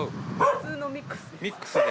普通のミックスです。